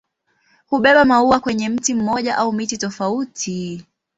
Hubeba maua kwenye mti mmoja au miti tofauti.